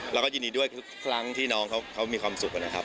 แล้วก็ยินดีด้วยทุกครั้งที่น้องเขามีความสุขนะครับ